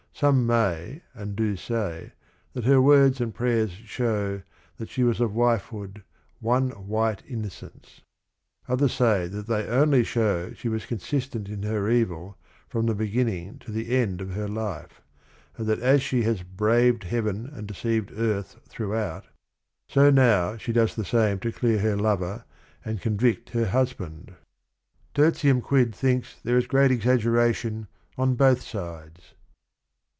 Some may and do say that her words and prayers show "she was of wifehood, one white innocence." Others say that they only show she was consistent in her evil from the beginning to the end of her life, and that as she has "braved heaven and deceived earth throughout," so now she does the same to clear her lover and convict her husband. TW^.m Qnirl — thin Ira _t here is great exaggeration on both sides.